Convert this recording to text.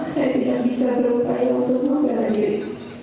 saya tidak bisa berupaya untuk membela diri